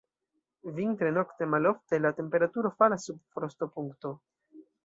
Vintre nokte malofte la temperaturo falas sub frostopunkto.